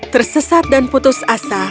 tersesat dan putus asa